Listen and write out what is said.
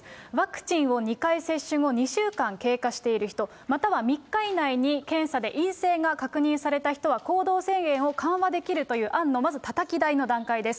ワクチンを２回接種後２週間経過している人、または３日以内に検査で陰性が確認された人は行動制限を緩和できるという案のまずたたき台の段階です。